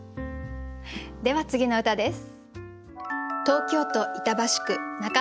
では次の歌です。